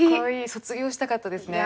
卒業したかったですね。